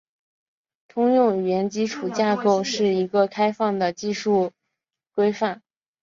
通用语言基础架构是一个开放的技术规范。